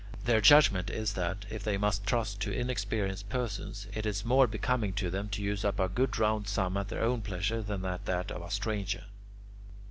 Their judgment is that, if they must trust to inexperienced persons, it is more becoming to them to use up a good round sum at their own pleasure than at that of a stranger.